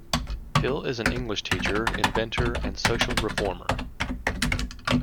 Hill is an English teacher, inventor and social reformer.